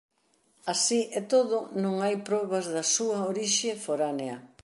Así e todo non hai probas da súa orixe foránea.